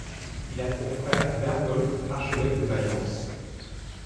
Il a pour frère Berthold, archevêque de Mayence.